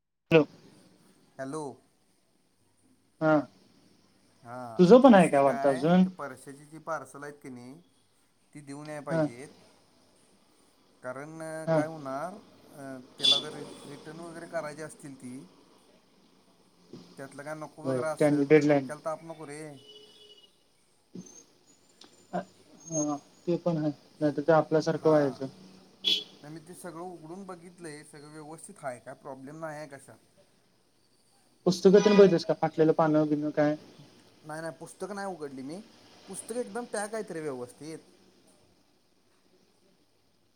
[unintelligible] Hello हा हा अर तुझं तो पण आहे काय विषय वाटतं कायय अजून ते परर्शाची जी पार्सल हायत कणी ती देऊन याय हा पाहिजेत कारण हा काय होणार अ त्याला जर री रिटन वगैरे करायची असतील ती त्यातलं काय नको बर वगर त्यांनी असेल तर डेडलाईन डोक्याल नको रे अ ते पण हाइच नाहीतर तर आपल्यासारखं हां व्हायचं नाही मी ते सगळं उघडून बघितलंय सगळ व्यवस्थित हाय काय प्रॉब्लेम न्हाया आय कशात पुस्तक तर बघितलयस का फाटलेला पान वगैरे तेन न्हाय न्हाय पुस्तक नाय उघ उघडली मी पुस्तक एकदम पॅक हाईत रे व्यवस्थित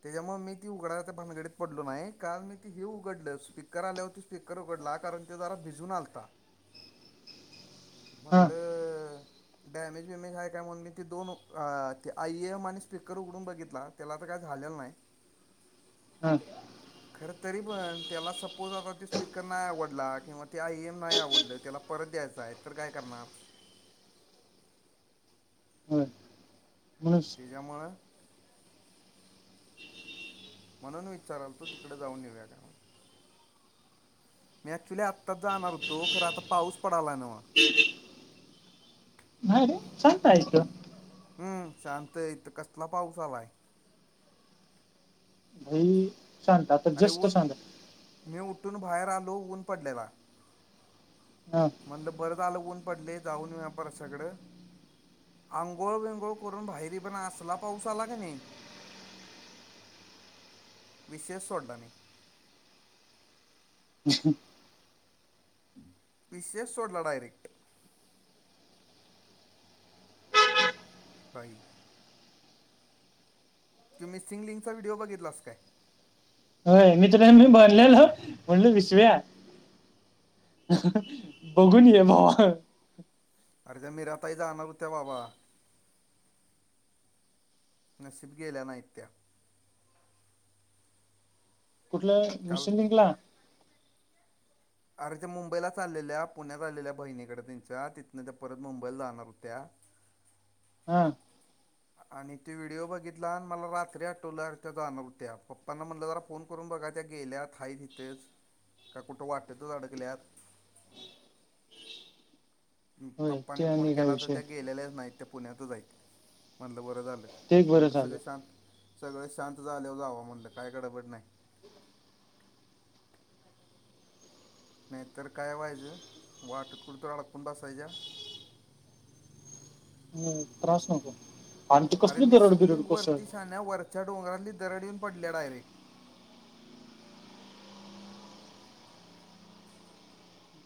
त्याच्यामुळे मी ती उघडाय च्या भानगडीत पडलो न्हय काल मी ते हे उघडल स्पीकर आले होते स्पीकर उघड ला ते कारण जरा भिजून आलता हा म्हणल डॅमेज बीमेज हाय काय म्हणून मी ते दोन आ इ एम आणि स्पीकर उघडून बघितला त्याला तर काय काय झालेलं न्हाय. हा. खर तरी पण त्याला सपोज आता त्यो स्पीकर न्हाय आवडला किंवा ते आइम न्हाय आवडलं त्याला प परत यायचं हाय तर काय करणार? होय म्हणूस त्याच्यामुळं.. म्हणून विचारालतो तिकड जाऊन येेऊया काय म्हणून.. मी ऍक्च्युली आत्ताच जाणार होतो खरं आता पाऊस पडलाय न्हव. नायरे काहीच नाही इथं हम्म शांत इत इथं कसला पाऊस आलाय भाई शांत आता जस्टच आल वून बाहेर आलो ऊन पडलेला हा म्हणलं बरं झालं ऊन पडलय जाऊन येऊया प्रर्श्याकड आंघोळ बिंगघोळ करून बाहेरी पण असला पाऊस आला कनी विषयच सोडला मी हम् हम विषय सोडला डायरेक्ट बाई तु मिसिंग लिंकचा व्हिडिओ बघितलास काय होय मी तर काय भरलेलो मी बनलेल म्हणल बघून ये भावा अरे त्या मिराताई जाणार होत्या बाबा. नशीब गेल्या नाहीत त्या. कुठलं काल मिशन लिंकला. अरे त्या मुंबईला चाललेल्या पुण्यात आलेल्या बहिणीकडे त्यांच्या तिथन त्या परत मुंबईला जाणार होत्या... रिकामा ऑडिओ हा. आणि ते व्हिडिओ बघितला आणि मला रात्री आठवल त्या जाणार होत्या पप्पाांना म्हणट जरा फोन करून बघा... त्या गेल्यात हाईत इथच का कुठं वाटतच अडकल्यात.. [unintelligible] होय पप्पांनी ते फोन आणि काय केला तर विषय त्या गेलेल्याच नाहीत त्या पुण्यातच हाईत म्हणल बरं झालं ते एक बरं मणलं सगळ झालं शांत सगळ शांत झाल्यावर जावव म्हणलं काय गडबड न्हाय नाहीतर काय व्हायचं वाटतं कुठं तर अडकून बसायच्या [inaudible] हम्म त्रास नको. आणि ते अरे कसली दरड मिसिंग बिरड लिंक कोसळली वरती शाहण्या वरच्या डोंगरातली दरड येऊन पडल्या डायरेक्ट.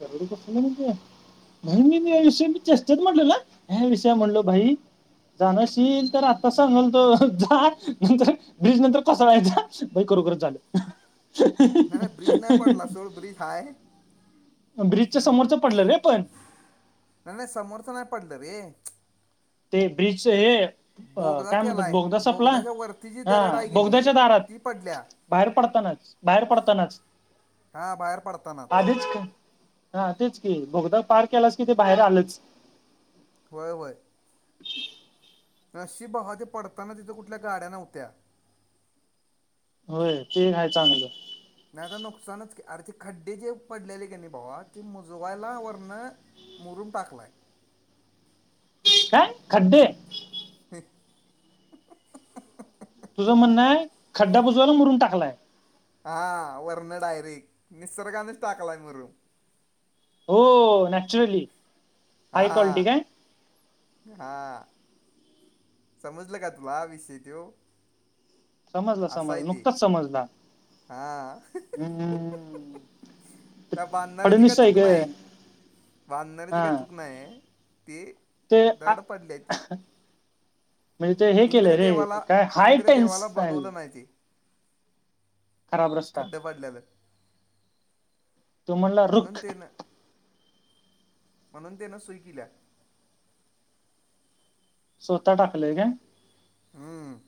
दरड कोसळली म्हणतो. भाई मी मी या विषयी चेष्टेत म्हटलेल हां ह्याँ विषा म्हणलो भाई. जाणार अशील तर आत्ता सांगलतो जा नंतर ब्रिज नंतर कोसळायचा. खरोखरच झाल. नाही नाही ब्रिज नाही पडला सोड ब्रिज हाय. ब्रिजच्या समोरच पडलं रे. पण नाही नाही समोरच नाही पडलं रे. ते ब्रिजच हे अं, बोगदा काय म्हणतात केलाय बोगदा सपला बोगदाच्या वरती जी हा दरड आहे की नाही बोगद्याच्या दारात ती पडल्या. बाहेर बाहेर पडतानाच हा बाहेर पडतानाच आधीच की हां तेच. बोगदा पार केलास कि ते बाहेर आलंच. होय होय. नशीब भावा ते पडताना तिथं कुठल्या गाड्या नव्हत्या. होय ते एक हाय चांगलं. नाही आता नुकसानच की अरे ते खड्डे जे पडलेले का नाही भावा ते मुजवायला वरन मुरूम टाकलाय. काय खड्डे? तुझं म्हणणं आहे खड्डा मुजवायला मुरूम टाकलाय. हां वरन डायरेक्ट निसर्गानेच टाकलाय मुरुम. हो नॅचरली हाय क्वालिटी काय? हां समजलं का तुला विषय तो? समजलं समजलं नुकतच समजल हा हम्म त्या बांधणाऱ्याची काय फडणवीस आहे चूक ग नाही बांधणाऱ्याची हा काय चूक नाही. ते ते आ- दरड पडल्या ती. म्हणजे ते हे केलंय रे इंद्रदेवाला काय हाय इंद्रदेवाला टेनस्टाईल. बघवलं नाही ते खराब रस्ता खड्डं पडलेलं तो म्हणला म्हणून रुख. त्यानं म्हणून तेन सुई केल्या. स्वतः टाकलंय काय? हम्म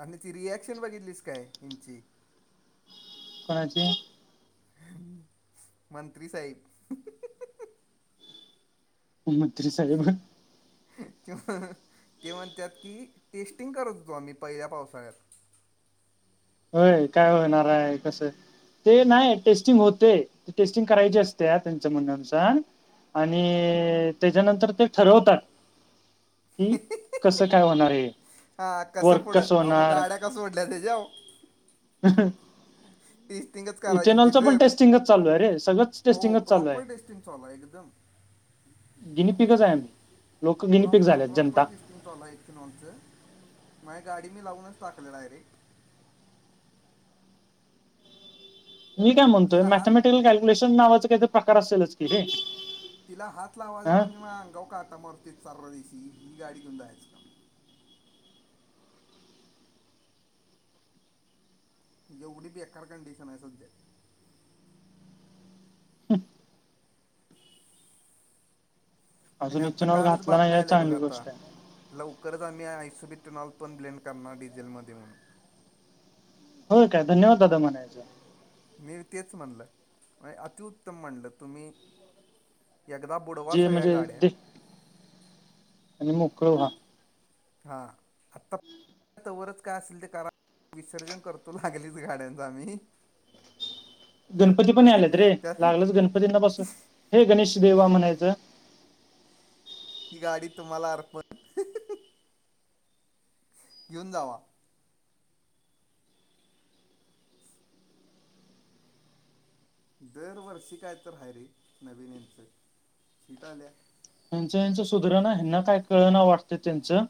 आणि ती रियाक्शन बघितलीस काय हेंचि? कोणाची? मंत्री साहिब. मंत्री साहेब. त्यो ते म्हणतात की टेस्टिंग करत होतो आम्ही पहिल्या पावसाळ्यात. होय काय होणाराय कसं. ते नाही टेस्टिंग होते टेस्टिंग करायची असते त्यांच्या म्हणण्यानुसार आणि त्याच्यानंतर ते ठरवतात. की कसं काय होणार आहे. हां कसं वर्क पुढं अव मग होणार गाड्या का सोडल्या तेच्याव? ह टेस्टिंगच करायची होती तर चालू आहे रे सगळंच हो टेस्टिंगच चालू प्रॉपर आहे टेस्टिंग चालू आहे एकदम. [inaudible] गिनी पिकच आहे आम्ही. लोक गिनीपिक प्रॉपर झालेत जनता प्रॉपर टेस्टिंग चालू आहे इथेनॉल. माझी गाडी मी लावूनच टाकलेल आहे रे. मी काय म्हणतोय तिला हात मॅथमॅटिकल कॅल्क्युलेशन नावाचं काही प्रकार असेलच की रे. तिला हात लावायचा हा म्हणजे म अंगा काटा मरती चार दिस त ही गाडी घेऊन जायच का म जेवढी बी ए कंडिशन आहे सध्या आणि अजून इ्च आता नवर कालच घातला नाही चांगली गोष्ट आहे करत आम्ही आयसुबीटनॉल पण ब्लेंड करणार डिझेलमध्येेऊन होय काय धन्यवाद दादा म्हनाच मी तेच म्हणल अतिउत्तम म्हणलं तुम्ही एकदा बुडवा जे सगळ्या म्हणजे गाड्या दे आणि मोकळ व हा आता त्या तवरच का असेल ते करा विसर्जन करतो लागलीच गाड्यांचा मी गणपती पण आलेत रे लागलच गणपतींना पासून हे गणेश देवा म्हणायचं. ही गाडी तुम्हाला अरपण घेऊन जावा दरवर्षी काय तर हा रे नवीन यांच सीट आल्या त्यांच यांचं सुधरण हना काय कळ ना वाटतं त्यांचं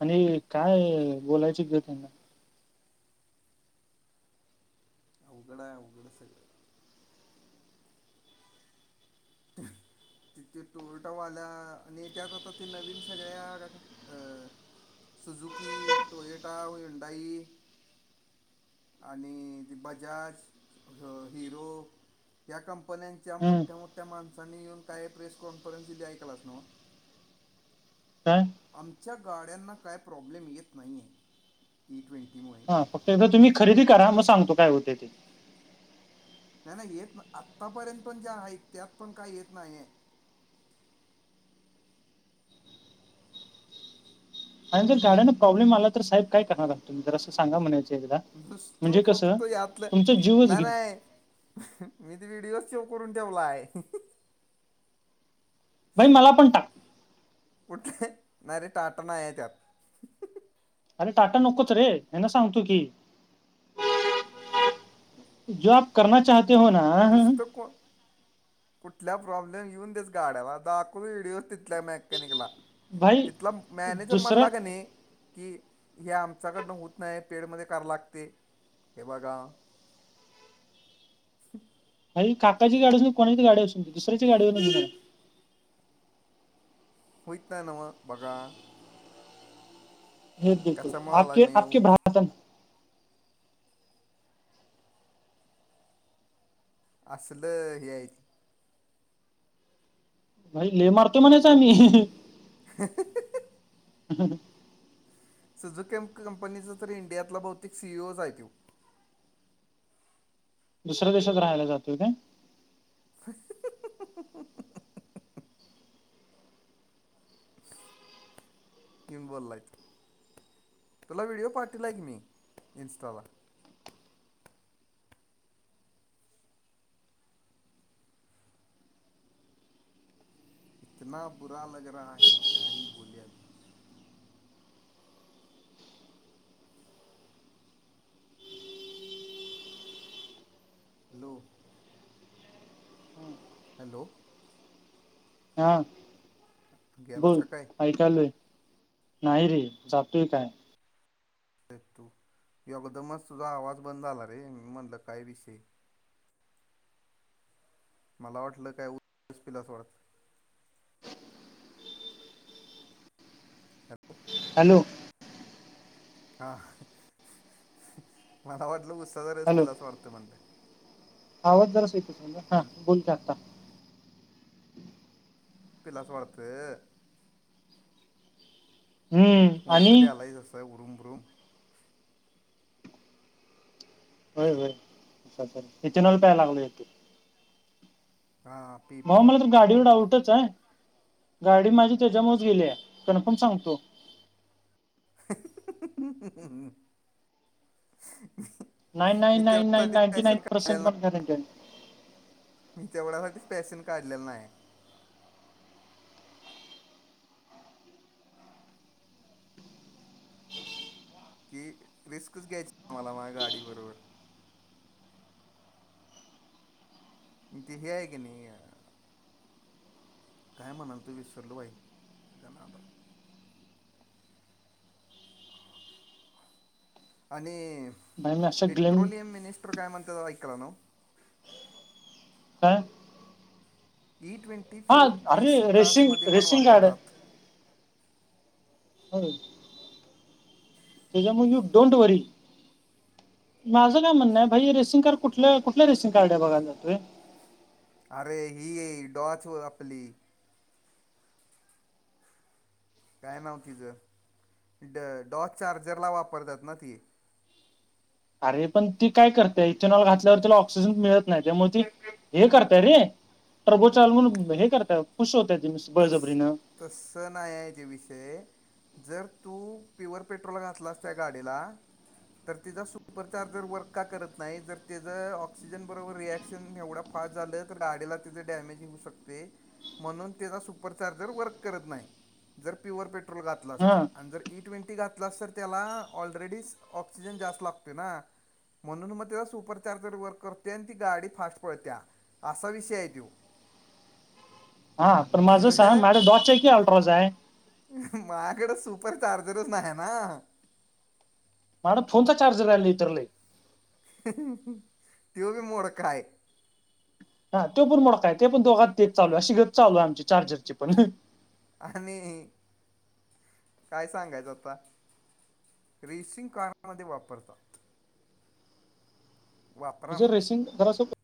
आणि काय बोलायच गे त्यांना अवघड आहे अवघडं सगळं तुम तिे तोरटावाल्या आणि त्यात आता ते नवीन सगळ्या अ सुझुकी टोयटा वयंडाई आणि बजाज हिरो या कंपन्यांच्या हम्म मोठ्या मोठ्या माणसांनी येऊन काय प्रेस कॉन्फरन्स दिली ऐकालास ना [inaudible] आं आच्या गाड्यांना काय प्रॉब्लेम येत नाही आहे ई ट्वेंटी हा फक्त एकदा तुम्ही खरेदी करा मग सांगतो काय होते ते नाही नाही येत ना आत्तापर्यंत पण ज्या आहेत त्यात पण काही येत नाहीय आणिंतर गाड्याना प्रॉब्लेम आला तर साहेब काय करणार असह तुम ज असं सांगा म्हणे नुसतो फक्त यातलं तुमचा जीवच ना घेईन नाही मी व्हिडिओ शेव करून ठेवला आहे भाई मला पण टाक कुठे नाहीरे टाटण आहे त्यात अरे टाटा नकोच रे हेना सांगतो की जो आप करना चहत नुसतं को कुठल्या प्रॉब्लेम येऊन देतस गाड्याला दाखवून व्हिडिओस तथल्या मेकॅनिकला भाई तिथला मॅनेजर दुसऱ्या म्हणला का नाही कि हे आमच्याकडनं होत नाही पेडमध्ये करा लागते हे बघा [inaudible] अरे काकाची गाडीून कोणाची गाडी असून दुसऱ्याची गाडीवर न होयत नाही नव बघा हे बिलकुल कशामुळे आप आला मी आपक येऊ भ्रातन असल हेयती भाई ले मारतोय म्हणेच आम्ही [inaudible] ह सुझुकेम्प कंपनीच तरी इंडियातला बहुतेक सीईओ जायत दुसऱ्या देशात राहायला जातोय का ह किन बोललाय तुला व्हिडिओ पाारीला आहे मी इं्स्टाला इतना बुरा लग रहा है कही बोल अभ लो हॅलो हा गेलास बोल का काय अरे ऐकालय नाही रे जातत काय तू योगदमच तुझा आवाज बंद झाला रे म्हणलं काय विषय मला वाटलं कायसपिलास वाडत हॅलो हैलो हा मला वाटलं पुस्त स र अस हॅलो फिला अस वाटत म्हणले आवाज जरच येत हा बोलत आता पिलास वाढत हम्म म्हण तर आणि कधी आलाय जसं उरुंबरूम होय होय अच्छ अच्छ हच्यान प्यायला लागलो येतो हा पी मग पी मला तर गाडीवर आ गाडी माझी त्याच्यामुळेज गेली कन्फर्म सांगतो ह नाहीई नाई ना नाीईर्सेंट काढलेलं नाही पण मी तेवढ्यासाठीच पॅशन काढलेला नाही कि रिस्कच घ्यायची आ मला माझ्या गाडी बरोबर ते हे आहे की नाही काय म्हणाल तू विसरल बाहीन तुझ्या ना आता आणि आणि म मी असा ग्लेम पेट्रोलियम मिनिस्टर काय म्हणत ऐकला ना हा ई ट्वेंटी फ्युल अरे रेसिंग कार्समध्ये पण रेसिंग गाड वापरतात होय. त्याच्यामुळे यू डोंट वरी माझं काय म्हणणं आहे भाई रेसिंग कार्ड कुठल्या कुठल्या रेसिंग कार्ड आहे बघायला जातु अरे ही डॉच आपली काय नव्ह तिचं ड डॉच चार्जर ला वापरतात ना ती अरे पण ती काय करते इथेनॉल घातल्यावर तिला ऑक्सिजन मिळत नाही त्यामुळे ती हे करताय रे प्रभोचल म्हण हे करतय खुश होतय तस तस नयाचे विषय जर तू प्युअर पेट्रोल घातलास त्या गाडीला तर तिचा सुपरचार्जर वर्क का करत नाही तर त्याच ऑक्सिजन बरोबर रिएक्शन एवढा फ झा गाडी डैमेज होऊ शक म्हणून सुपर चार्जर वर्क करत नाही जर पिवर पेट्रोल हा घातलं त्याला ऑलरेडी ऑक्सिजन जास्त लागत ना म्हणून मग त्याचा सुपर चार्जर वर्क करते आणि ती गाडी फास्ट पळते्या असा विषय आहे त [inaudible] हा पण माझं सांग माड दचा आहे कि अल्ट्राज आहे चारजरच नाही ना म्हण फोनचा चार्जर रा नाही इतरला तो बी मोड काय हा तो पण मोड काय ते पण दोघ तेच चालू आहे अ ग चालू आहे आमचे चार्जरचे पण आणि काय सांगायचं आता रेसिंग कारमध्ये वापरतात हे वापरा जर मग रेसिंग जरास